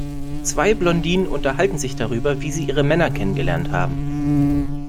Zwei Blondinen unterhalten sich darüber, wie sie ihre Männer kennengelernt haben.